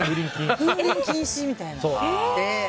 風鈴禁止みたいな。